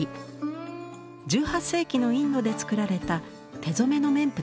１８世紀のインドで作られた手染めの綿布です。